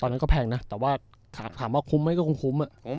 นั้นก็แพงนะแต่ว่าถามว่าคุ้มไหมก็คงคุ้ม